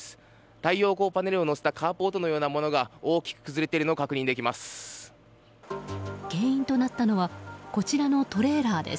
太陽光パネルを乗せたカーポートのようなものが大きく崩れているのを確認できます。